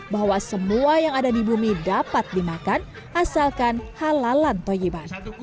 bahwa semua yang ada di bumi dapat dimakan asalkan halalan toyiban